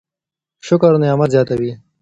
شکر نعمت زياتوي.